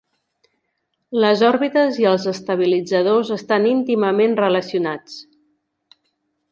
Les òrbites i els estabilitzadors estan íntimament relacionats.